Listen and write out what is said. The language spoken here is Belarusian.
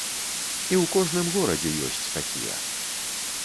І ў кожным горадзе ёсць такія.